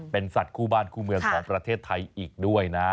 เป็นสัตว์คู่บ้านคู่เมืองของประเทศไทยอีกด้วยนะ